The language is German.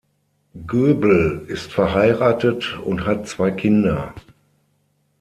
Göbel ist verheiratet und hat zwei Kinder.